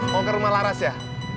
mau ke rumah laras ya